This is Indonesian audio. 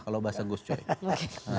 kalau bahasa guscoi oke